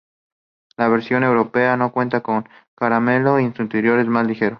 La versión europea no cuenta con caramelo, y su interior es más ligero.